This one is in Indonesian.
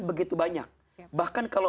begitu banyak bahkan kalau